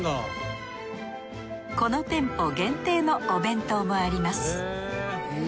この店舗限定のお弁当もあります